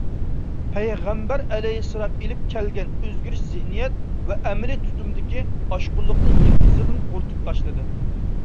پەيغەمبەر ئەلەيھىسسالام ئېلىپ كەلگەن ئۆزگىرىش زېھنىيەت ۋە ئەمەلىي تۇتۇمدىكى ئاشقۇنلۇقنى يىلتىزىدىن قۇرۇتۇپ تاشلىدى.